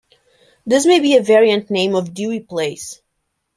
This may be a variant name of Dewey Place.